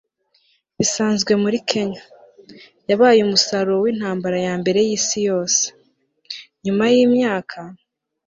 bisanzwe muri kenya. yabaye umusaruro w'intambara ya mbere y'isi yose. nyuma yimyaka